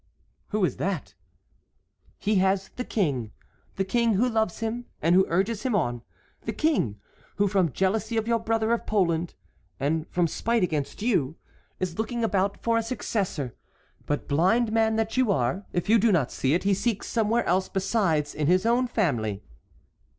"Who is that?" "He has the King, the King, who loves him and who urges him on; the King, who from jealousy of your brother of Poland, and from spite against you, is looking about for a successor. But, blind man that you are if you do not see it, he seeks somewhere else besides in his own family."